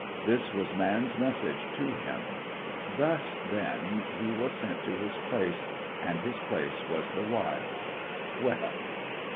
This was man's message to him; thus, then, he was sent to his place, and his place was the wild. Well!